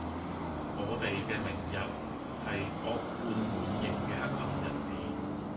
我地既明日,係惡貫滿刑既黑暗日子